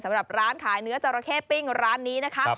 สำหรับร้านขายเนื้อจราเข้ปิ้งร้านนี้นะคะ